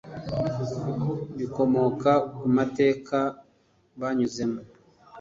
bikomoka ku mateka banyuzemo i